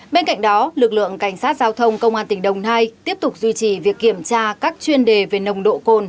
bên cạnh đó lực lượng cảnh sát giao thông công an tỉnh đồng nai tiếp tục duy trì việc kiểm tra các chuyên đề về nồng độ cồn